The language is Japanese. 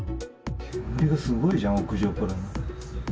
煙がすごいじゃん、屋上から。